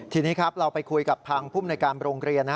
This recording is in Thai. ที่นี่เราไปคุยกับภังพุ่มในการโรงเรียน